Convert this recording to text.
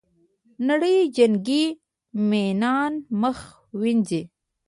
نړۍ جنګي میینان مخ ووینځي.